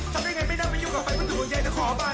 ทำยังไงไม่ได้มายุ่งกลับไปมันถูกใหญ่แต่ขอบาย